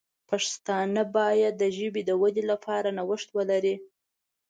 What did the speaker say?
پښتانه باید د ژبې د ودې لپاره نوښت ولري.